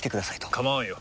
構わんよ。